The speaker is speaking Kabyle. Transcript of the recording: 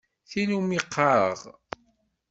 Tin umi qqareɣ.